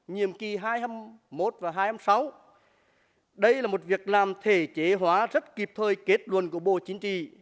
nhiệm kỳ hai nghìn hai mươi một và hai nghìn hai mươi sáu đây là một việc làm thể chế hóa rất kịp thời kết luận của bộ chính trị